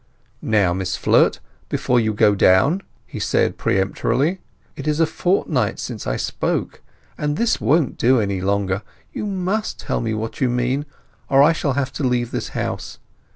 "Now, Miss Flirt, before you go down," he said peremptorily. "It is a fortnight since I spoke, and this won't do any longer. You must tell me what you mean, or I shall have to leave this house.